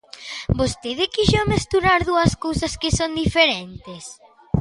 Vostede quixo mesturar dúas cousas que son diferentes.